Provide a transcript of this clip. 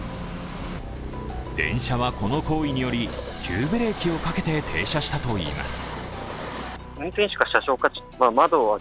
電車はこの行為により急ブレーキをかけて停車したといいます。